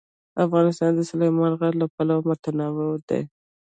افغانستان د سلیمان غر له پلوه متنوع دی.